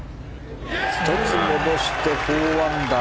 １つ戻して４アンダー。